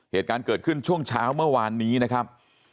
เหตุการณ์เกิดขึ้นช่วงเช้าเมื่อวานนี้นะครับ